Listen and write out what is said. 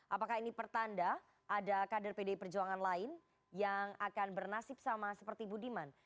apakah ini pertanda ada kader pdi perjuangan lain yang akan bernasib sama seperti budiman